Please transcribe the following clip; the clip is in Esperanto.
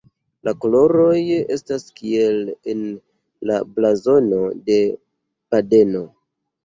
La koloroj estas kiel en la blazono de Badeno.